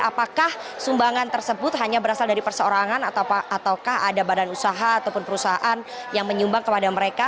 apakah sumbangan tersebut hanya berasal dari perseorangan ataukah ada badan usaha ataupun perusahaan yang menyumbang kepada mereka